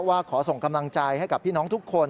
ว่าขอส่งกำลังใจให้กับพี่น้องทุกคน